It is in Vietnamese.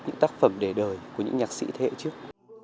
những tác phẩm đề đời của những nhạc sĩ thế hệ trước